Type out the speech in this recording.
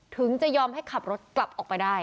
ถึงจะยอมให้ขับรถกลับออกไปได้